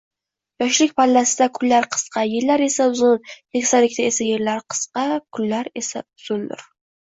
Yoshlik pallasida kunlar qisqa, yillar esa uzun. Keksalikda esa yillar qisqa, kunlar esa uzundir.